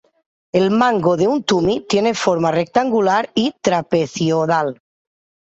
El mango de un tumi tiene forma rectangular o trapezoidal.